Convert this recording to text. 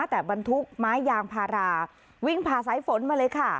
แต่บรรทุกไม้ยางพาราวิ่งผ่าสายฝนมาเลยค่ะ